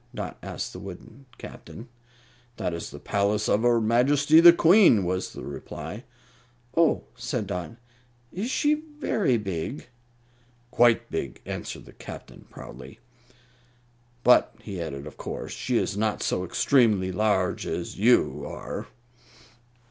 Dot asked the wooden Captain. "That is the palace of her Majesty the Queen," was the reply. "Oh!" said Dot; "is she very big?" "Quite big," answered the Captain, proudly. "But," he added, "of course she is not so extremely large as you are."